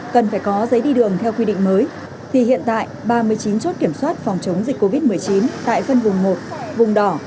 cần phải có giấy đi đường theo quy định mới thì hiện tại ba mươi chín chốt kiểm soát phòng chống dịch covid một mươi chín tại phân vùng một vùng đỏ